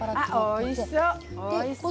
おいしそう！